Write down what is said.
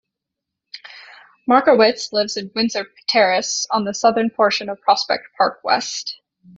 Markowitz lives in Windsor Terrace, on the southern portion of Prospect Park West.